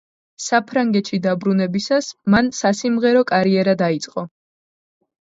საფრანგეთში დაბრუნებისას მან სასიმღერო კარიერა დაიწყო.